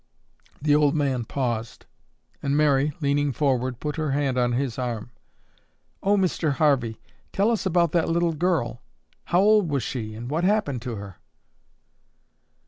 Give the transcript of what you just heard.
The old man paused, and Mary, leaning forward, put her hand on his arm. "Oh, Mr. Harvey, tell us about that little girl. How old was she and what happened to her?"